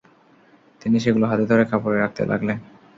তিনি সেগুলো হাতে ধরে কাপড়ে রাখতে লাগলেন।